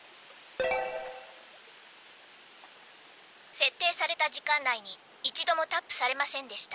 「設定された時間内に一度もタップされませんでした。